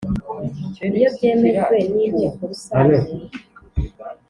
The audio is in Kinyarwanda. iyo byemejwe n intekorusange